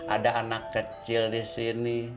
ada anak kecil di sini